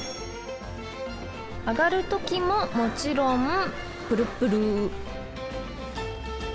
あがるときももちろんプルプル！